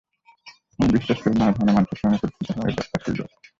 আমি বিশ্বাস করি, নানা ধরনের মানুষের সঙ্গে পরিচিত হওয়ার এটা একটা সুযোগ।